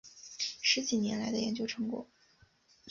十几年来的研究成果